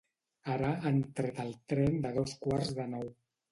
Ara han tret el tren de dos quarts de nou